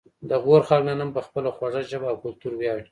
د غور خلک نن هم په خپله خوږه ژبه او کلتور ویاړي